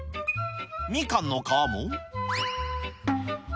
みかんの皮も。